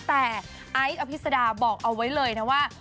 แต่ไอซ์อภิษดาบอกเอาไว้เลยนะว่า